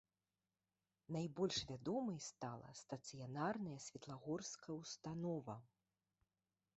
Найбольш вядомай стала стацыянарная светлагорская ўстанова.